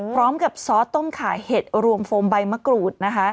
พร้อมกับซอสต้มขาเห็ดรวมโฟมใบมะกรูดนะคะ